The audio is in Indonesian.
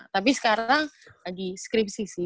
tapi sekarang lagi skripsi sih